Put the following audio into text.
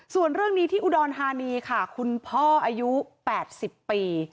ส่วนเรื่องนี้ที่อุดรธานีค่ะคุณพ่ออายุ๘๐ปี